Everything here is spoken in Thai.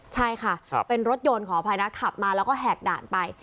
ใช่ค่ะเป็นรถยนต์ขออภัยนะขับมาแล้วก็แหกด่านไป